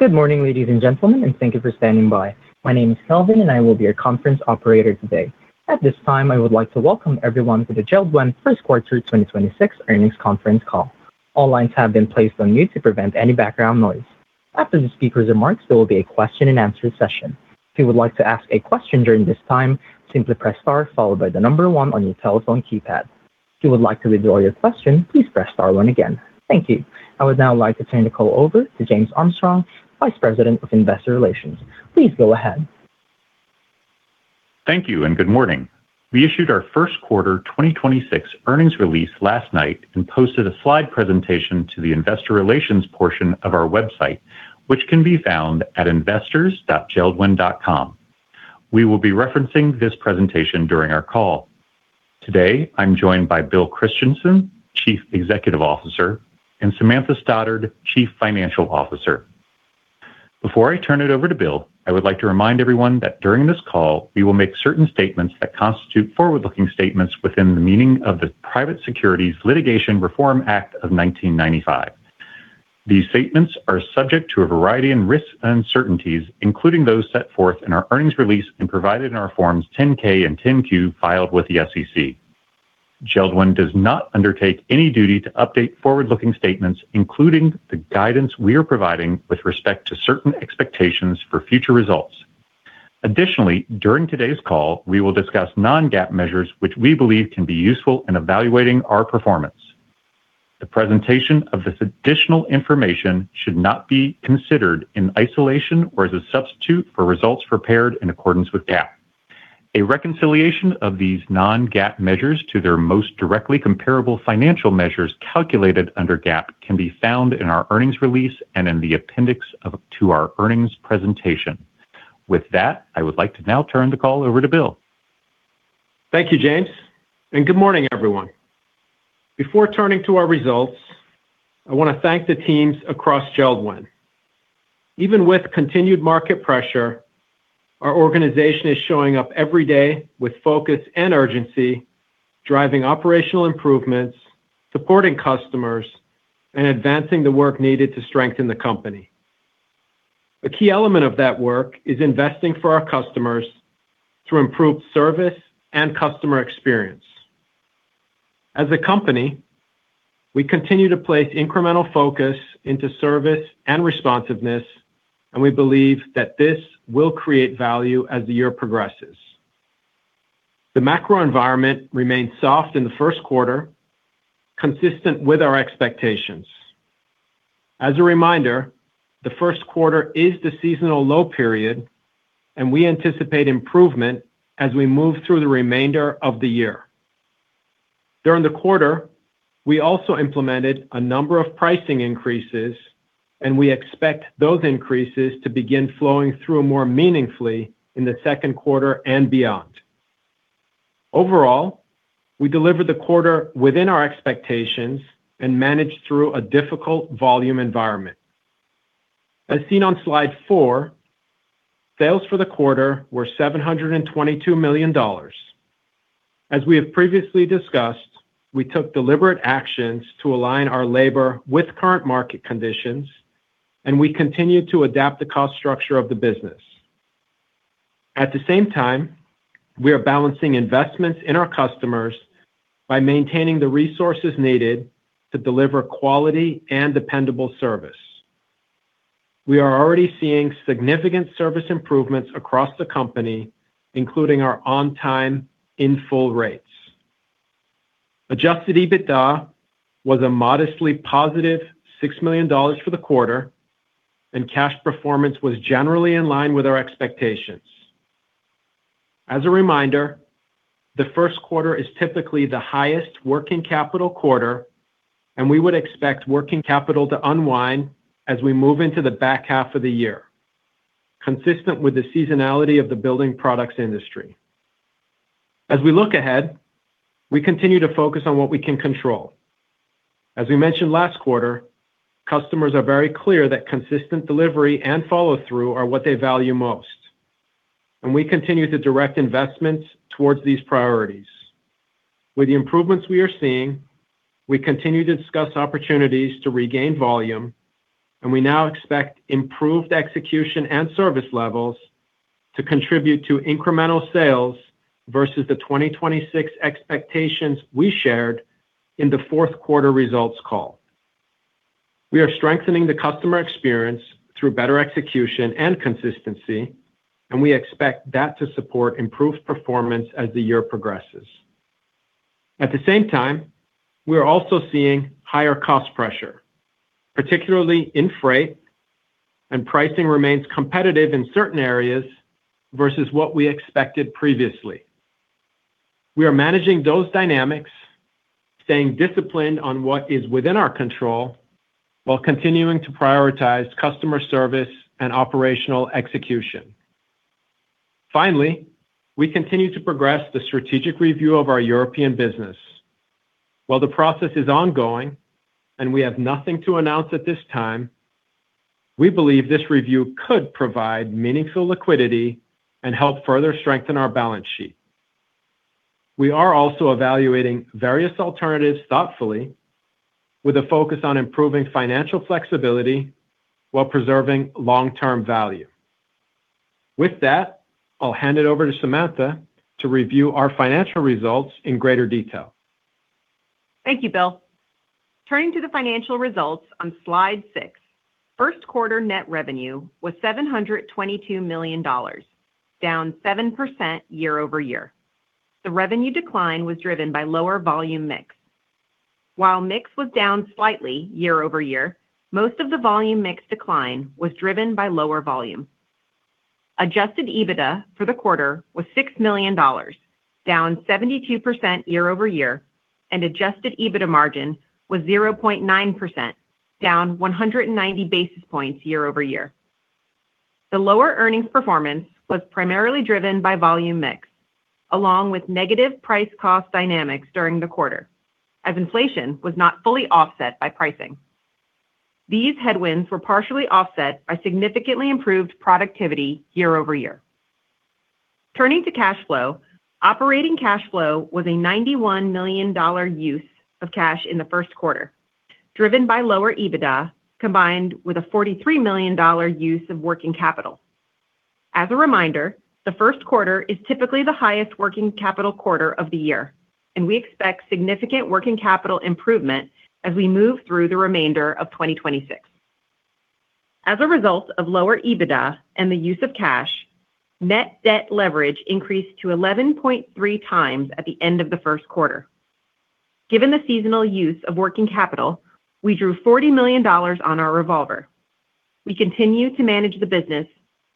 Good morning, ladies and gentlemen, thank you for standing by. My name is Kelvin. I will be your conference operator today. At this time, I would like to welcome everyone to the JELD-WEN first quarter 2026 earnings conference call. All lines have been placed on mute to prevent any background noise. After the speaker's remarks, there will be a question-and-answer session. If you would like to ask a question during this time, simply press star followed by 1 on your telephone keypad. If you would like to withdraw your question, please press star one again. Thank you. I would now like to turn the call over to James Armstrong, Vice President of Investor Relations. Please go ahead. Thank you, and good morning. We issued our first quarter 2026 earnings release last night and posted a slide presentation to the investor relations portion of our website, which can be found at investors.jeld-wen.com. We will be referencing this presentation during our call. Today, I'm joined by Bill Christensen, Chief Executive Officer, and Samantha Stoddard, Chief Financial Officer. Before I turn it over to Bill, I would like to remind everyone that during this call we will make certain statements that constitute forward-looking statements within the meaning of the Private Securities Litigation Reform Act of 1995. These statements are subject to a variety of risks and uncertainties, including those set forth in our earnings release and provided in our forms 10-K and 10-Q filed with the SEC. JELD-WEN does not undertake any duty to update forward-looking statements, including the guidance we are providing with respect to certain expectations for future results. Additionally, during today's call, we will discuss non-GAAP measures, which we believe can be useful in evaluating our performance. The presentation of this additional information should not be considered in isolation or as a substitute for results prepared in accordance with GAAP. A reconciliation of these non-GAAP measures to their most directly comparable financial measures calculated under GAAP can be found in our earnings release and in the appendix to our earnings presentation. With that, I would like to now turn the call over to Bill. Thank you, James, and good morning, everyone. Before turning to our results, I want to thank the teams across JELD-WEN. Even with continued market pressure, our organization is showing up every day with focus and urgency, driving operational improvements, supporting customers, and advancing the work needed to strengthen the company. A key element of that work is investing for our customers through improved service and customer experience. As a company, we continue to place incremental focus into service and responsiveness, and we believe that this will create value as the year progresses. The macro environment remained soft in the first quarter, consistent with our expectations. As a reminder, the first quarter is the seasonal low period, and we anticipate improvement as we move through the remainder of the year. During the quarter, we also implemented a number of pricing increases, we expect those increases to begin flowing through more meaningfully in the second quarter and beyond. We delivered the quarter within our expectations and managed through a difficult volume environment. Seen on slide four, sales for the quarter were $722 million. We have previously discussed, we took deliberate actions to align our labor with current market conditions, we continue to adapt the cost structure of the business. We are balancing investments in our customers by maintaining the resources needed to deliver quality and dependable service. We are already seeing significant service improvements across the company, including our On-Time In-Full rates. Adjusted EBITDA was a modestly positive $6 million for the quarter, cash performance was generally in line with our expectations. As a reminder, the first quarter is typically the highest working capital quarter, and we would expect working capital to unwind as we move into the back half of the year, consistent with the seasonality of the building products industry. As we look ahead, we continue to focus on what we can control. As we mentioned last quarter, customers are very clear that consistent delivery and follow-through are what they value most, and we continue to direct investments towards these priorities. With the improvements we are seeing, we continue to discuss opportunities to regain volume, and we now expect improved execution and service levels to contribute to incremental sales versus the 2026 expectations we shared in the fourth quarter results call. We are strengthening the customer experience through better execution and consistency, and we expect that to support improved performance as the year progresses. At the same time, we are also seeing higher cost pressure, particularly in freight, and pricing remains competitive in certain areas versus what we expected previously. We are managing those dynamics, staying disciplined on what is within our control while continuing to prioritize customer service and operational execution. Finally, we continue to progress the strategic review of our European business. While the process is ongoing and we have nothing to announce at this time, we believe this review could provide meaningful liquidity and help further strengthen our balance sheet. We are also evaluating various alternatives thoughtfully with a focus on improving financial flexibility while preserving long-term value. With that, I'll hand it over to Samantha to review our financial results in greater detail. Thank you, Bill. Turning to the financial results on slide six, first quarter net revenue was $722 million, down 7% year-over-year. The revenue decline was driven by lower volume mix. While mix was down slightly year-over-year, most of the volume mix decline was driven by lower volume. Adjusted EBITDA for the quarter was $6 million, down 72% year-over-year, and Adjusted EBITDA margin was 0.9%, down 190 basis points year-over-year. The lower earnings performance was primarily driven by volume mix, along with negative price cost dynamics during the quarter, as inflation was not fully offset by pricing. These headwinds were partially offset by significantly improved productivity year-over-year. Turning to cash flow, operating cash flow was a $91 million use of cash in the first quarter, driven by lower Adjusted EBITDA combined with a $43 million use of working capital. As a reminder, the first quarter is typically the highest working capital quarter of the year, and we expect significant working capital improvement as we move through the remainder of 2026. As a result of lower EBITDA and the use of cash, net debt leverage increased to 11.3x at the end of the first quarter. Given the seasonal use of working capital, we drew $40 million on our revolver. We continue to manage the business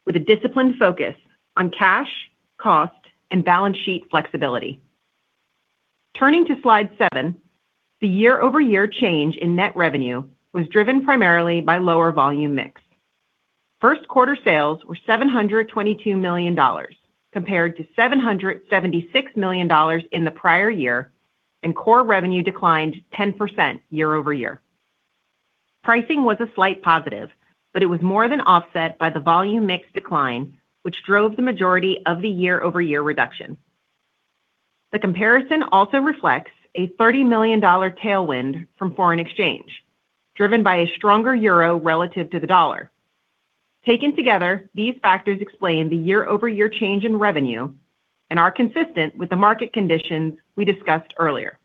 with a disciplined focus on cash, cost, and balance sheet flexibility. Turning to slide seven, the year-over-year change in net revenue was driven primarily by lower volume mix. First quarter sales were $722 million compared to $776 million in the prior year. Core revenue declined 10% year-over-year. Pricing was a slight positive, it was more than offset by the volume mix decline, which drove the majority of the year-over-year reduction. The comparison also reflects a $30 million tailwind from foreign exchange, driven by a stronger euro relative to the dollar. Taken together, these factors explain the year-over-year change in revenue and are consistent with the market conditions we discussed earlier.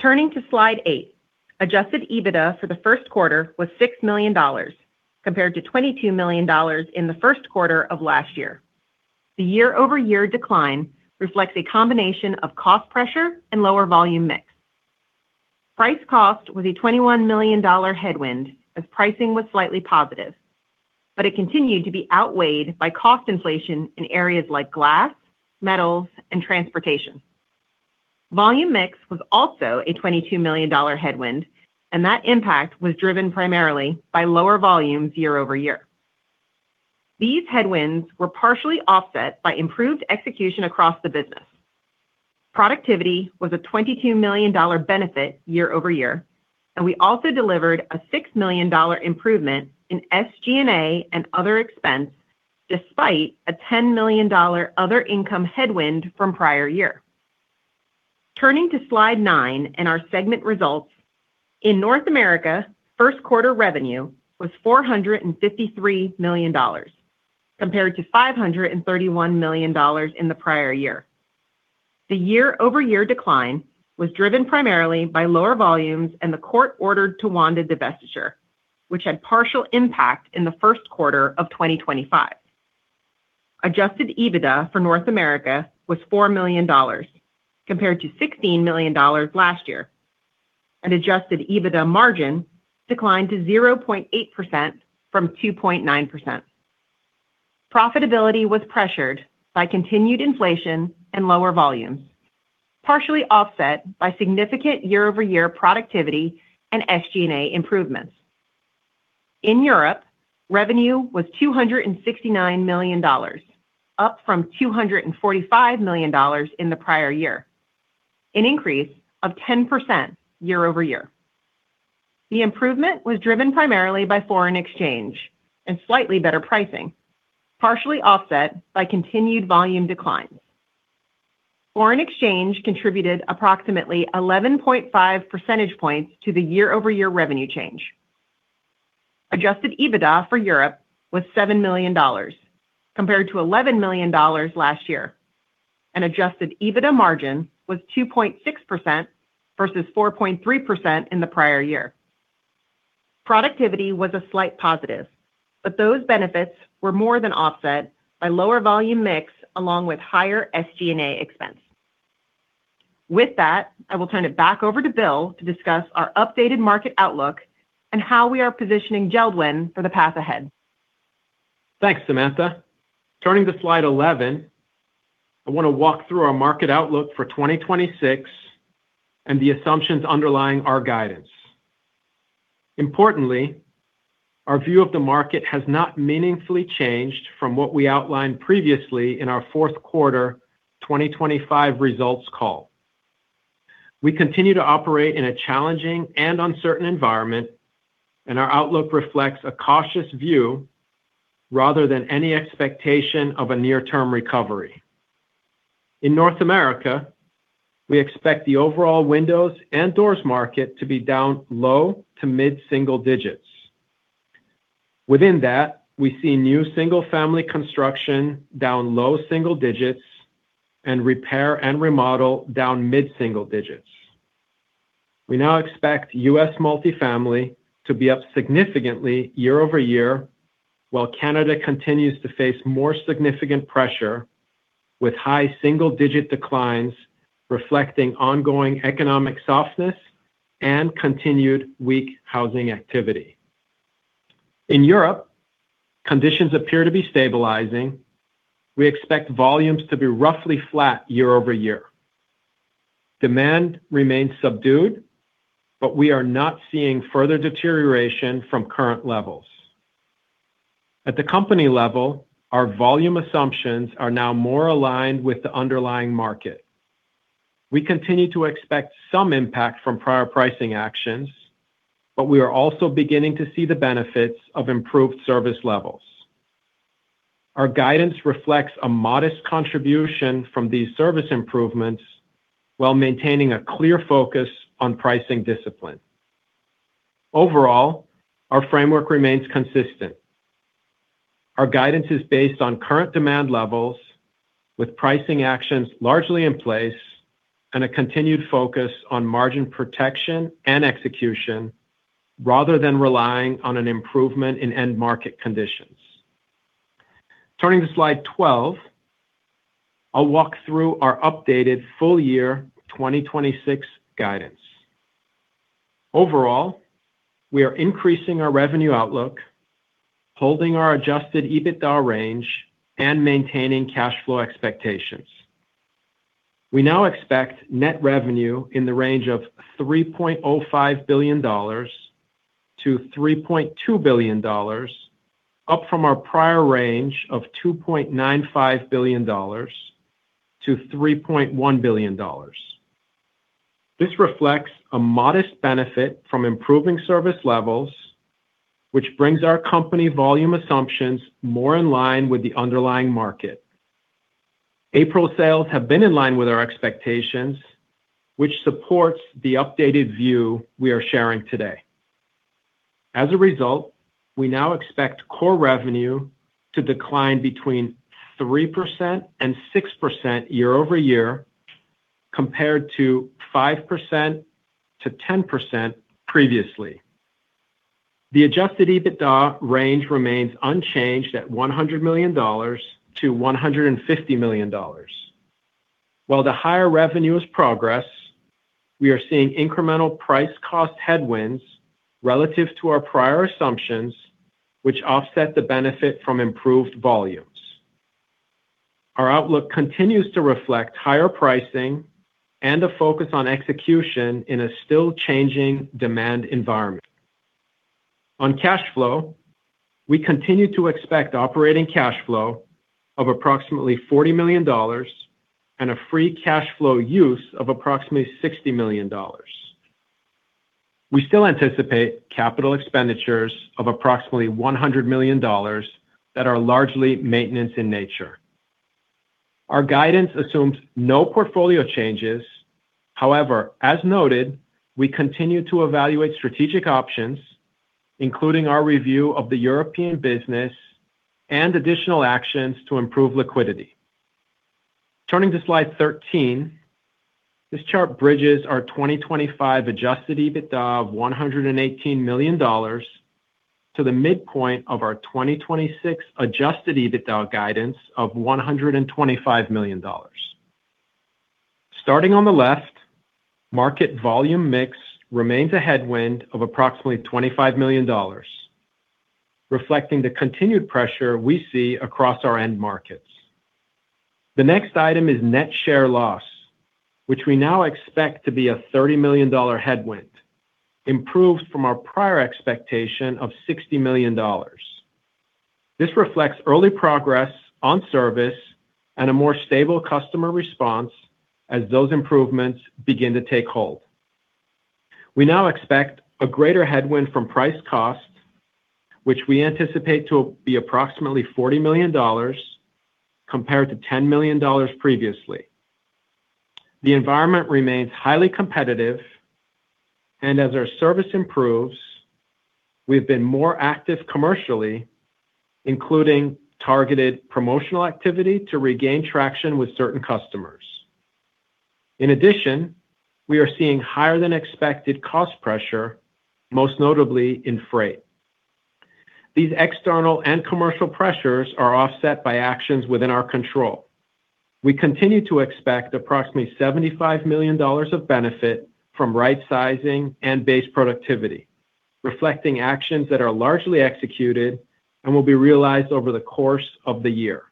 Turning to slide eight, Adjusted EBITDA for the first quarter was $6 million compared to $22 million in the first quarter of last year. The year-over-year decline reflects a combination of cost pressure and lower volume mix. Price cost was a $21 million headwind as pricing was slightly positive, but it continued to be outweighed by cost inflation in areas like glass, metals, and transportation. Volume mix was also a $22 million headwind. That impact was driven primarily by lower volumes year-over-year. These headwinds were partially offset by improved execution across the business. Productivity was a $22 million benefit year-over-year. We also delivered a $6 million improvement in SG&A and other expense despite a $10 million other income headwind from prior year. Turning to slide nine and our segment results, in North America, first quarter revenue was $453 million compared to $531 million in the prior year. The year-over-year decline was driven primarily by lower volumes and the court-ordered Towanda divestiture, which had partial impact in the first quarter of 2025. Adjusted EBITDA for North America was $4 million compared to $16 million last year. Adjusted EBITDA margin declined to 0.8% from 2.9%. Profitability was pressured by continued inflation and lower volumes, partially offset by significant year-over-year productivity and SG&A improvements. In Europe, revenue was EUR 269 million, up from EUR 245 million in the prior year, an increase of 10% year-over-year. The improvement was driven primarily by foreign exchange and slightly better pricing, partially offset by continued volume declines. Foreign exchange contributed approximately 11.5 percentage points to the year-over-year revenue change. Adjusted EBITDA for Europe was $7 million compared to $11 million last year. Adjusted EBITDA margin was 2.6% versus 4.3% in the prior year. Productivity was a slight positive. Those benefits were more than offset by lower volume mix along with higher SG&A expense. With that, I will turn it back over to Bill to discuss our updated market outlook and how we are positioning JELD-WEN for the path ahead. Thanks, Samantha. Turning to slide 11, I wanna walk through our market outlook for 2026 and the assumptions underlying our guidance. Importantly, our view of the market has not meaningfully changed from what we outlined previously in our fourth quarter 2025 results call. We continue to operate in a challenging and uncertain environment, Our outlook reflects a cautious view rather than any expectation of a near-term recovery. In North America, we expect the overall windows and doors market to be down low to mid-single digits. Within that, we see new single-family construction down low single digits and repair and remodel down mid-single digits. We now expect U.S. multifamily to be up significantly year-over-year, while Canada continues to face more significant pressure with high single-digit declines reflecting ongoing economic softness and continued weak housing activity. In Europe, conditions appear to be stabilizing. We expect volumes to be roughly flat year-over-year. Demand remains subdued, but we are not seeing further deterioration from current levels. At the company level, our volume assumptions are now more aligned with the underlying market. We continue to expect some impact from prior pricing actions, but we are also beginning to see the benefits of improved service levels. Our guidance reflects a modest contribution from these service improvements while maintaining a clear focus on pricing discipline. Overall, our framework remains consistent. Our guidance is based on current demand levels with pricing actions largely in place and a continued focus on margin protection and execution rather than relying on an improvement in end market conditions. Turning to slide 12, I'll walk through our updated full year 2026 guidance. Overall, we are increasing our revenue outlook, holding our Adjusted EBITDA range, and maintaining cash flow expectations. We now expect net revenue in the range of $3.05 billion-$3.2 billion, up from our prior range of $2.95 billion-$3.1 billion. This reflects a modest benefit from improving service levels, which brings our company volume assumptions more in line with the underlying market. April sales have been in line with our expectations, which supports the updated view we are sharing today. As a result, we now expect core revenue to decline between 3% and 6% year-over-year compared to 5%-10% previously. The Adjusted EBITDA range remains unchanged at $100 million-$150 million. While the higher revenue is progress, we are seeing incremental price cost headwinds relative to our prior assumptions, which offset the benefit from improved volumes. Our outlook continues to reflect higher pricing and a focus on execution in a still changing demand environment. On cash flow, we continue to expect operating cash flow of approximately $40 million and a free cash flow use of approximately $60 million. We still anticipate capital expenditures of approximately $100 million that are largely maintenance in nature. Our guidance assumes no portfolio changes. However, as noted, we continue to evaluate strategic options, including our review of the European business and additional actions to improve liquidity. Turning to slide 13, this chart bridges our 2025 Adjusted EBITDA of $118 million to the midpoint of our 2026 Adjusted EBITDA guidance of $125 million. Starting on the left, market volume mix remains a headwind of approximately $25 million, reflecting the continued pressure we see across our end markets. The next item is net share loss, which we now expect to be a $30 million headwind, improved from our prior expectation of $60 million. This reflects early progress on service and a more stable customer response as those improvements begin to take hold. We now expect a greater headwind from price cost, which we anticipate to be approximately $40 million compared to $10 million previously. The environment remains highly competitive, and as our service improves, we've been more active commercially, including targeted promotional activity to regain traction with certain customers. In addition, we are seeing higher than expected cost pressure, most notably in freight. These external and commercial pressures are offset by actions within our control. We continue to expect approximately $75 million of benefit from rightsizing and base productivity, reflecting actions that are largely executed and will be realized over the course of the year.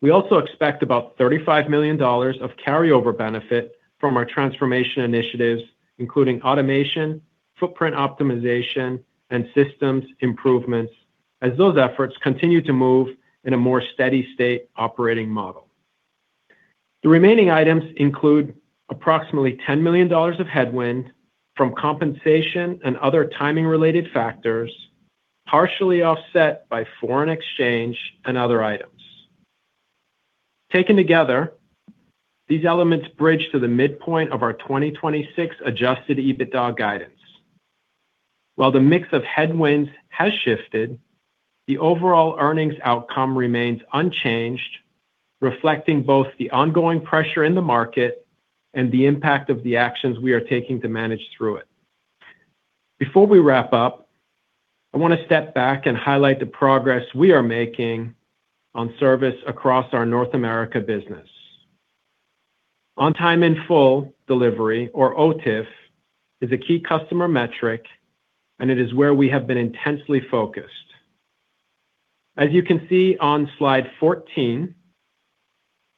We also expect about $35 million of carryover benefit from our transformation initiatives, including automation, footprint optimization, and systems improvements. As those efforts continue to move in a more steady-state operating model. The remaining items include approximately $10 million of headwind from compensation and other timing-related factors, partially offset by foreign exchange and other items. Taken together, these elements bridge to the midpoint of our 2026 Adjusted EBITDA guidance. While the mix of headwinds has shifted, the overall earnings outcome remains unchanged, reflecting both the ongoing pressure in the market and the impact of the actions we are taking to manage through it. Before we wrap up, I wanna step back and highlight the progress we are making on service across our North America business. On-Time In-Full delivery or OTIF is a key customer metric, and it is where we have been intensely focused. As you can see on slide 14,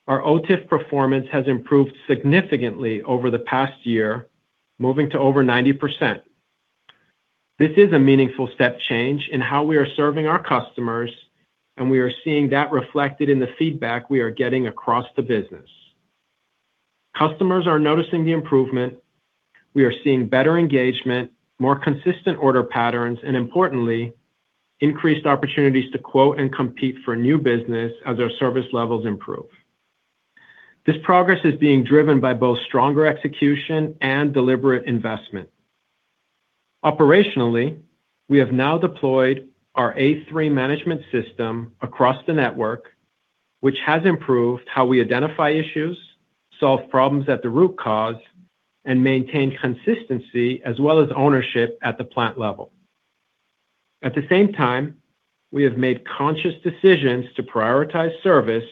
our OTIF performance has improved significantly over the past year, moving to over 90%. This is a meaningful step change in how we are serving our customers, and we are seeing that reflected in the feedback we are getting across the business. Customers are noticing the improvement. We are seeing better engagement, more consistent order patterns, and importantly, increased opportunities to quote and compete for new business as our service levels improve. This progress is being driven by both stronger execution and deliberate investment. Operationally, we have now deployed our A3 Management System across the network, which has improved how we identify issues, solve problems at the root cause, and maintain consistency as well as ownership at the plant level. At the same time, we have made conscious decisions to prioritize service,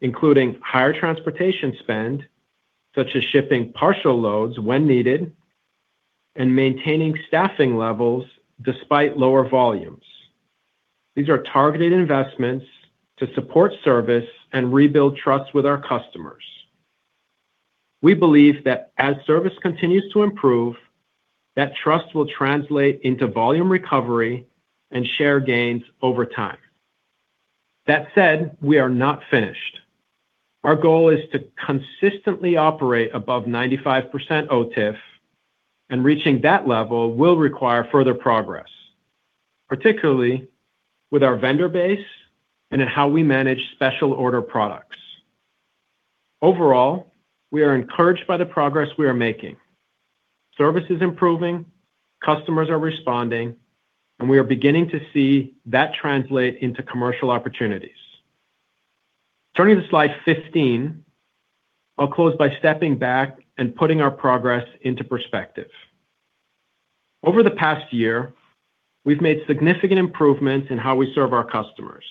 including higher transportation spend, such as shipping partial loads when needed, and maintaining staffing levels despite lower volumes. These are targeted investments to support service and rebuild trust with our customers. We believe that as service continues to improve, that trust will translate into volume recovery and share gains over time. That said, we are not finished. Our goal is to consistently operate above 95% OTIF, and reaching that level will require further progress, particularly with our vendor base and in how we manage special order products. Overall, we are encouraged by the progress we are making. Service is improving, customers are responding, and we are beginning to see that translate into commercial opportunities. Turning to slide 15, I'll close by stepping back and putting our progress into perspective. Over the past year, we've made significant improvements in how we serve our customers.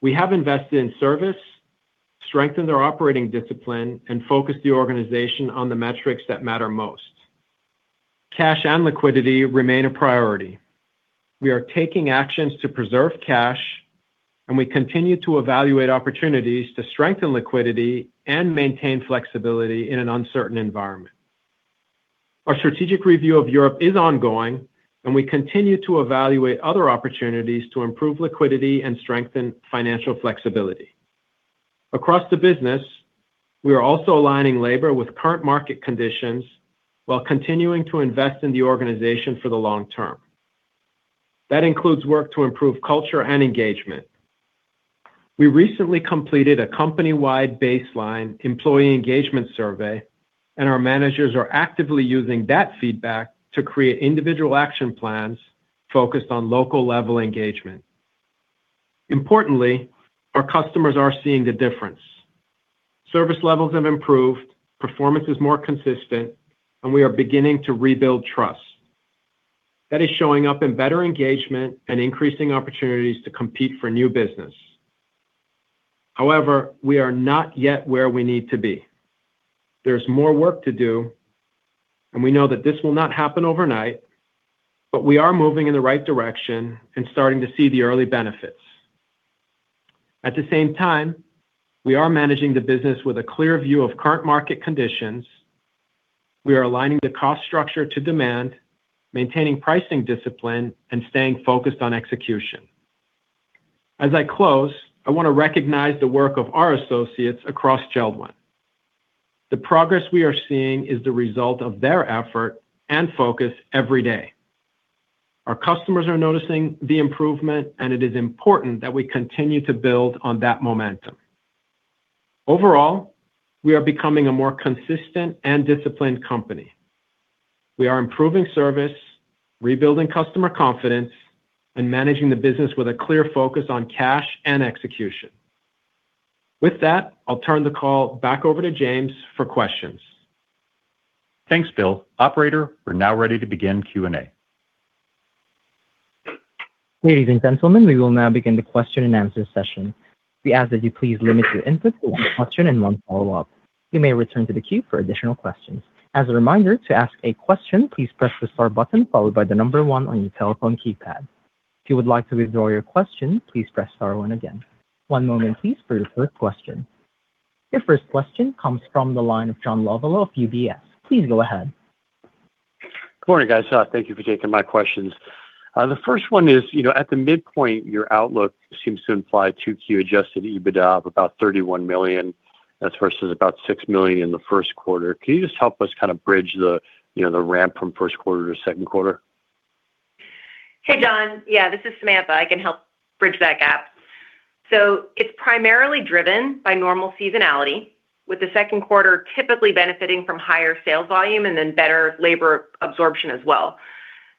We have invested in service, strengthened our operating discipline, and focused the organization on the metrics that matter most. Cash and liquidity remain a priority. We are taking actions to preserve cash, and we continue to evaluate opportunities to strengthen liquidity and maintain flexibility in an uncertain environment. Our strategic review of Europe is ongoing, and we continue to evaluate other opportunities to improve liquidity and strengthen financial flexibility. Across the business, we are also aligning labor with current market conditions while continuing to invest in the organization for the long term. That includes work to improve culture and engagement. We recently completed a company-wide baseline employee engagement survey, and our managers are actively using that feedback to create individual action plans focused on local level engagement. Importantly, our customers are seeing the difference. Service levels have improved, performance is more consistent, and we are beginning to rebuild trust. That is showing up in better engagement and increasing opportunities to compete for new business. However, we are not yet where we need to be. There's more work to do, and we know that this will not happen overnight, but we are moving in the right direction and starting to see the early benefits. At the same time, we are managing the business with a clear view of current market conditions. We are aligning the cost structure to demand, maintaining pricing discipline, and staying focused on execution. As I close, I wanna recognize the work of our associates across JELD-WEN. The progress we are seeing is the result of their effort and focus every day. Our customers are noticing the improvement, and it is important that we continue to build on that momentum. Overall, we are becoming a more consistent and disciplined company. We are improving service, rebuilding customer confidence, and managing the business with a clear focus on cash and execution. With that, I'll turn the call back over to James for questions. Thanks, Bill. Operator, we are now ready to begin Q&A. Ladies and gentlemen, we will now begin the question and answer session. We ask that you please limit your input to one question and one follow-up. You may return to the queue for additional questions. As a reminder, to ask a question, please press star followed by one on your telephone keypad. If you would like to withdraw your question, please press star one again. Your first question comes from the line of John Lovallo of UBS. Please go ahead. Good morning, guys. Thank you for taking my questions. The first one is, you know, at the midpoint, your outlook seems to imply two key Adjusted EBITDA of about $31 million. That's versus about $6 million in the first quarter. Can you just help us kind of bridge the, you know, the ramp from first quarter to second quarter? Hey, John. Yeah, this is Samantha. I can help bridge that gap. It's primarily driven by normal seasonality, with the second quarter typically benefiting from higher sales volume and then better labor absorption as well.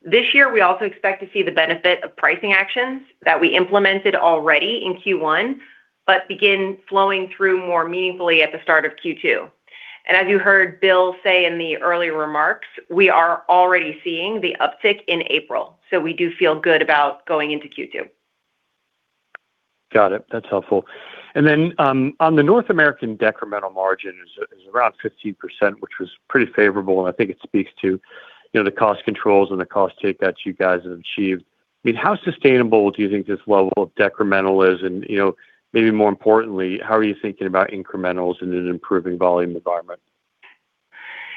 This year, we also expect to see the benefit of pricing actions that we implemented already in Q1 but begin flowing through more meaningfully at the start of Q2. As you heard Bill say in the earlier remarks, we are already seeing the uptick in April, so we do feel good about going into Q2. Got it. That's helpful. On the North American decremental margin is around 15%, which was pretty favorable, and I think it speaks to, you know, the cost controls and the cost take that you guys have achieved. I mean, how sustainable do you think this level of decremental is? You know, maybe more importantly, how are you thinking about incrementals in an improving volume environment?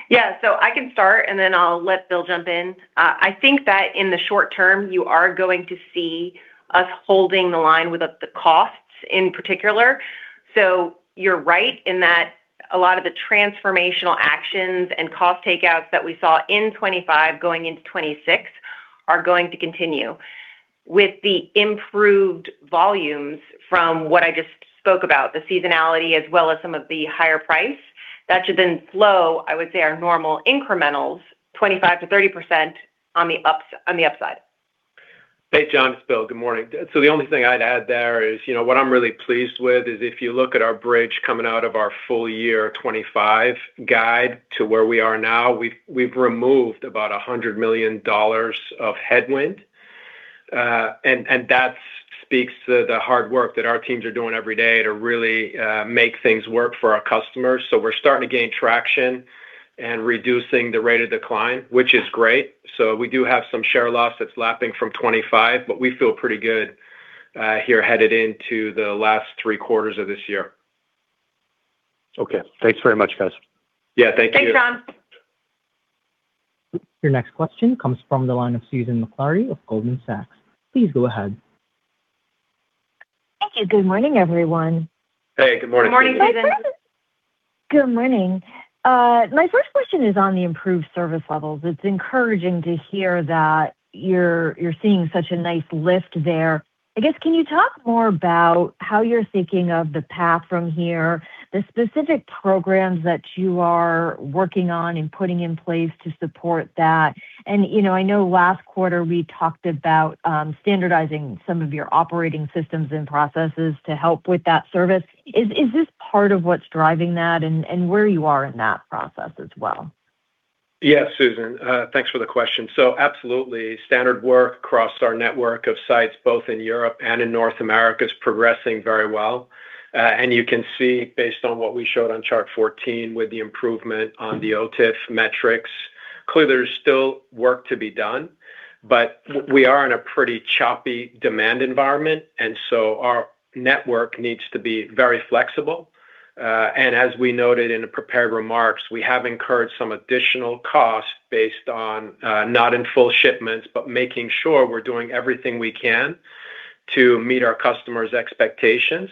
Yeah. I can start, and then I'll let Bill jump in. I think that in the short term, you are going to see us holding the line with the costs in particular. You're right in that a lot of the transformational actions and cost takeouts that we saw in 2025 going into 2026 are going to continue. With the improved volumes from what I just spoke about, the seasonality as well as some of the higher price, that should then flow, I would say, our normal incrementals 25%-30% on the upside. Hey, John, it's Bill. Good morning. The only thing I'd add there is, you know, what I'm really pleased with is if you look at our bridge coming out of our full year 2025 guide to where we are now, we've removed about $100 million of headwind. That speaks to the hard work that our teams are doing every day to really make things work for our customers. We're starting to gain traction and reducing the rate of decline, which is great, so we do have some share loss that's lapping from 2025, but we feel pretty good here headed into the last three quarters of this year. Okay. Thanks very much, guys. Yeah, thank you. Thanks, John. Your next question comes from the line of Susan Maklari of Goldman Sachs. Please go ahead. Thank you. Good morning, everyone. Hey, good morning, Susan. Good morning, Susan. Good morning. My first question is on the improved service levels. It's encouraging to hear that you're seeing such a nice lift there. I guess, can you talk more about how you're thinking of the path from here, the specific programs that you are working on and putting in place to support that? You know, I know last quarter we talked about standardizing some of your operating systems and processes to help with that service. Is, is this part of what's driving that and where you are in that process as well? Susan, thanks for the question. Absolutely. Standard work across our network of sites both in Europe and in North America is progressing very well. You can see based on what we showed on chart 14 with the improvement on the OTIF metrics. Clearly there's still work to be done, but we are in a pretty choppy demand environment, our network needs to be very flexible. As we noted in the prepared remarks, we have incurred some additional costs based on not in full shipments, but making sure we're doing everything we can to meet our customers' expectations.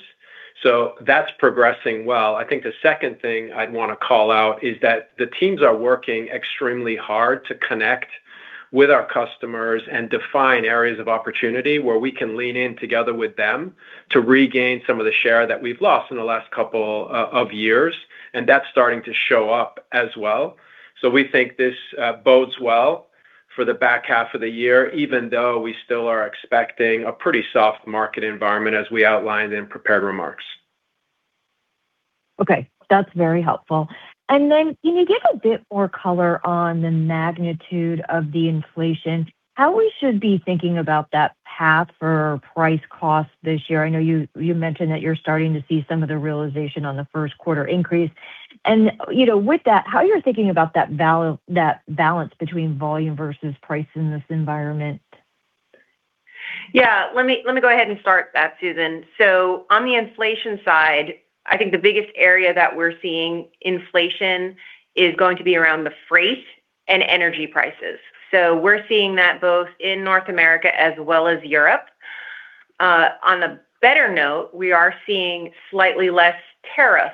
That's progressing well. I think the second thing I'd wanna call out is that the teams are working extremely hard to connect with our customers and define areas of opportunity where we can lean in together with them to regain some of the share that we've lost in the last couple of years, and that's starting to show up as well. We think this bodes well for the back half of the year, even though we still are expecting a pretty soft market environment as we outlined in prepared remarks. Okay, that's very helpful. Can you give a bit more color on the magnitude of the inflation? How we should be thinking about that path for price cost this year? I know you mentioned that you're starting to see some of the realization on the first quarter increase. You know, with that, how you're thinking about that balance between volume versus price in this environment? Yeah. Let me go ahead and start that, Susan. On the inflation side, I think the biggest area that we're seeing inflation is going to be around the freight and energy prices. We're seeing that both in North America as well as Europe. On a better note, we are seeing slightly less tariff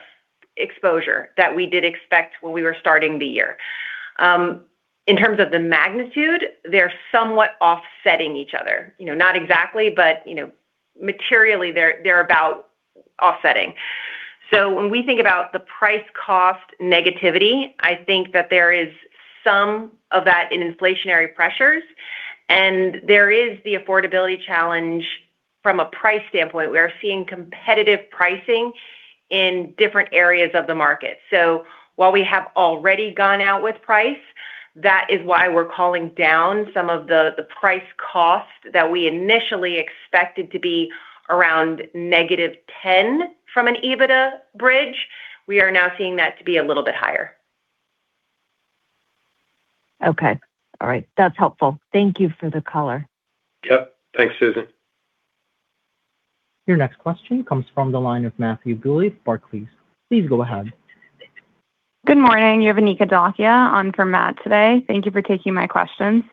exposure that we did expect when we were starting the year. In terms of the magnitude, they're somewhat offsetting each other. You know, not exactly, but, you know, materially they're about offsetting. When we think about the price cost negativity, I think that there is some of that in inflationary pressures, and there is the affordability challenge from a price standpoint. We are seeing competitive pricing in different areas of the market. While we have already gone out with price, that is why we're calling down some of the price cost that we initially expected to be around -$10 million from an EBITDA bridge. We are now seeing that to be a little bit higher. Okay. All right. That's helpful. Thank you for the color. Yep. Thanks, Susan. Your next question comes from the line of Matthew Bouley, Barclays. Please go ahead. Good morning. You have Anika Dholakia on for Matt today. Thank you for taking my questions.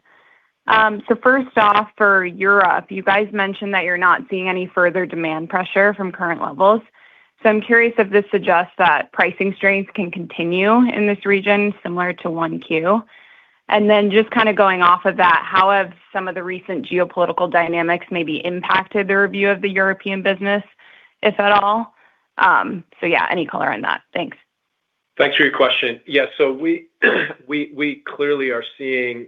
First off, for Europe, you guys mentioned that you're not seeing any further demand pressure from current levels. I'm curious if this suggests that pricing strengths can continue in this region similar to Q1? Just kind of going off of that, how have some of the recent geopolitical dynamics maybe impacted the review of the European business, if at all? Yeah, any color on that? Thanks. Thanks for your question. We clearly are seeing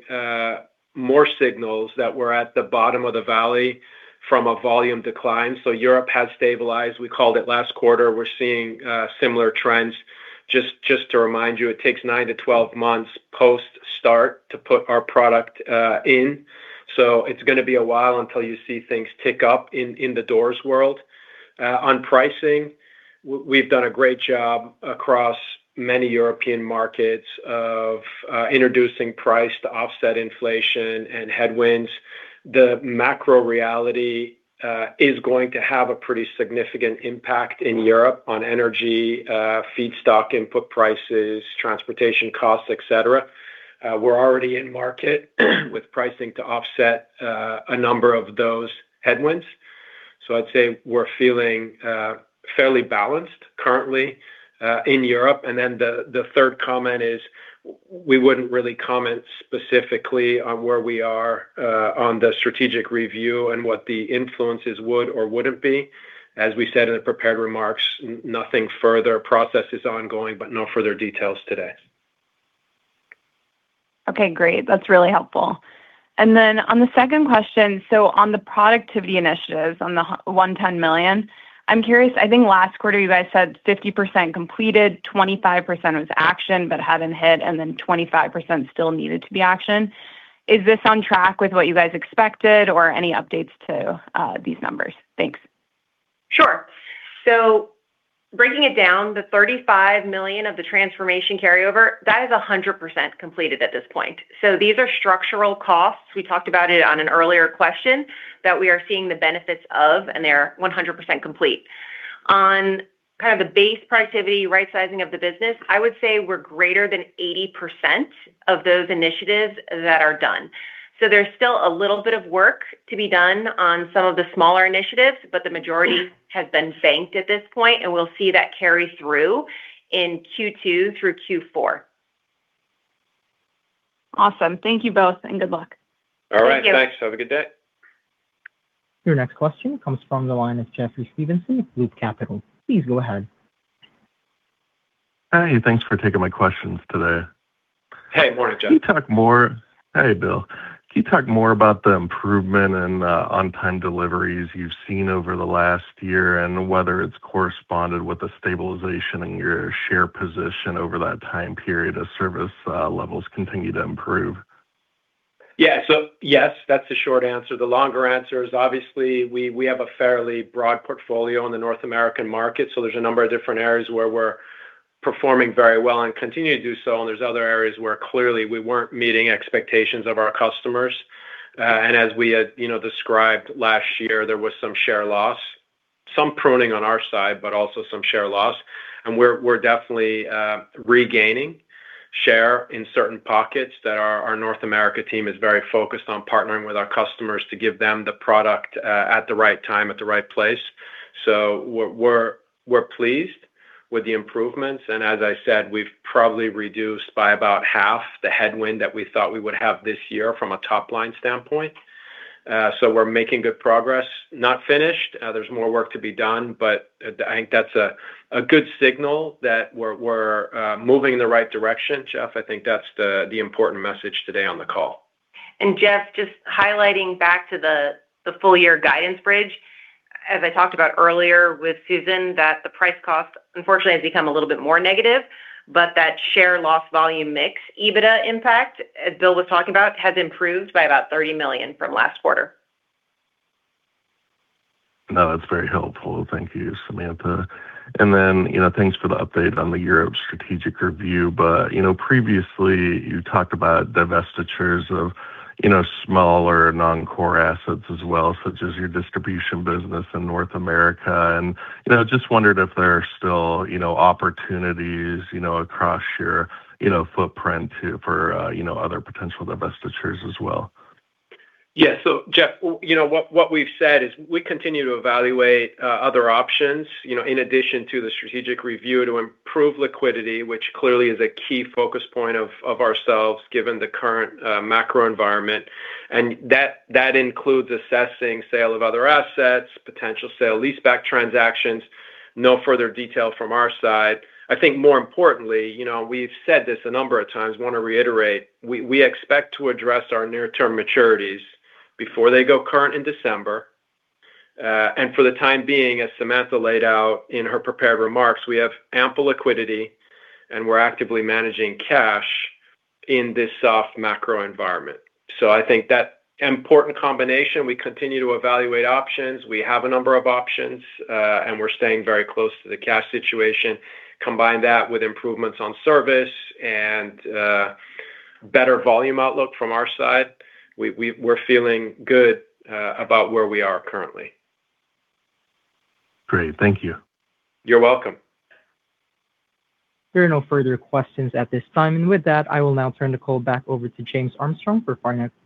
more signals that we're at the bottom of the valley from a volume decline. Europe has stabilized. We called it last quarter. We're seeing similar trends. Just to remind you, it takes nine to 12 months post-start to put our product in. It's going to be a while until you see things tick up in the doors world. On pricing, we've done a great job across many European markets of introducing price to offset inflation and headwinds. The macro reality is going to have a pretty significant impact in Europe on energy, feedstock input prices, transportation costs, etc. We're already in market with pricing to offset a number of those headwinds. I'd say we're feeling fairly balanced currently in Europe. The third comment is we wouldn't really comment specifically on where we are on the strategic review and what the influences would or wouldn't be. As we said in the prepared remarks, nothing further. Process is ongoing, no further details today. Okay, great. That's really helpful. On the second question, on the productivity initiatives on the $110 million, I'm curious, I think last quarter you guys said 50% completed, 25% was action but hadn't hit, 25% still needed to be action. Is this on track with what you guys expected or any updates to these numbers? Thanks. Sure. Breaking it down, the $35 million of the transformation carryover, that is 100% completed at this point. These are structural costs, we talked about it on an earlier question, that we are seeing the benefits of, and they're 100% complete. On kind of the base productivity rightsizing of the business, I would say we're greater than 80% of those initiatives that are done. There's still a little bit of work to be done on some of the smaller initiatives, but the majority has been banked at this point, and we'll see that carry through in Q2 through Q4. Awesome. Thank you both, and good luck. All right. Thank you. Thanks. Have a good day. Your next question comes from the line of Jeffrey Stevenson with VSS Capital. Please go ahead. Hey, thanks for taking my questions today. Hey. Morning, Jeff. Hey, Bill. Can you talk more about the improvement in on-time deliveries you've seen over the last year and whether it's corresponded with the stabilization in your share position over that time period as service levels continue to improve? Yeah. Yes, that's the short answer. The longer answer is obviously we have a fairly broad portfolio in the North American market, there's a number of different areas where we're performing very well and continue to do so, there's other areas where clearly we weren't meeting expectations of our customers. As we had, you know, described last year, there was some share loss. Some pruning on our side, also some share loss. We're definitely regaining share in certain pockets that our North America team is very focused on partnering with our customers to give them the product at the right time, at the right place. We're pleased with the improvements, and as I said, we've probably reduced by about half the headwind that we thought we would have this year from a top-line standpoint. We're making good progress. Not finished. There's more work to be done, but I think that's a good signal that we're moving in the right direction, Jeff. I think that's the important message today on the call. Jeff, just highlighting back to the full year guidance bridge, as I talked about earlier with Susan, that the price cost unfortunately has become a little bit more negative, but that share loss volume mix EBITDA impact Bill was talking about has improved by about $30 million from last quarter. No, that's very helpful. Thank you, Samantha. You know, thanks for the update on the Europe strategic review. You know, previously, you talked about divestitures of, you know, smaller non-core assets as well, such as your distribution business in North America. You know, just wondered if there are still, you know, opportunities, you know, across your, you know, footprint for, you know, other potential divestitures as well. Jeff, you know, what we've said is we continue to evaluate other options, you know, in addition to the strategic review to improve liquidity, which clearly is a key focus point of ourselves given the current macro environment. That includes assessing sale of other assets, potential sale-leaseback transactions. No further detail from our side. I think more importantly, you know, we've said this a number of times, want to reiterate, we expect to address our near-term maturities before they go current in December. For the time being, as Samantha laid out in her prepared remarks, we have ample liquidity, and we're actively managing cash in this soft macro environment. I think that important combination, we continue to evaluate options. We have a number of options, we're staying very close to the cash situation. Combine that with improvements on service and better volume outlook from our side. We're feeling good about where we are currently. Great. Thank you. You're welcome. There are no further questions at this time. With that, I will now turn the call back over to James Armstrong for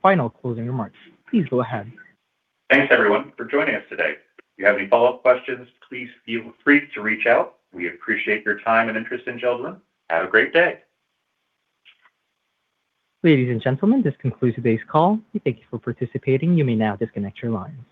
final closing remarks. Please go ahead. Thanks everyone for joining us today. If you have any follow-up questions, please feel free to reach out. We appreciate your time and interest in JELD-WEN. Have a great day. Ladies and gentlemen, this concludes today's call. We thank you for participating. You may now disconnect your lines.